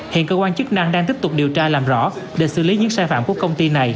hiện cơ quan chức năng đang tiếp tục điều tra làm rõ để xử lý những sai phạm của công ty này